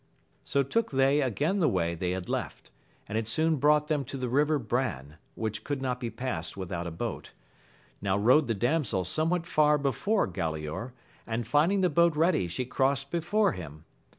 So took they again the way they had left, and it soon brought them to the river Bran, which could not be passed without a boat. Now rode the damsel somewhat far before Galaor, and finding the boat ready she crossed before him.